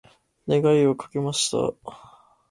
願いをかけました。